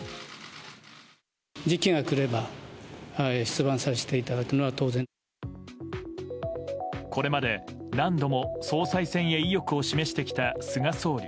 時期が来れば、出馬をさせてこれまで何度も、総裁選へ意欲を示してきた菅総理。